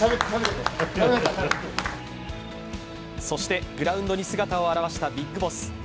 そして、グラウンドに姿を現したビッグボス。